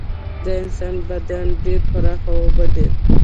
د انسان بدن ډیره برخه اوبه دي